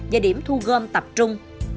và điểm thu gom tập trung